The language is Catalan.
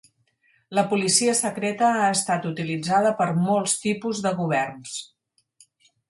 La policia secreta ha estat utilitzada per molts tipus de governs.